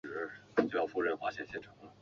规划相关宣传活动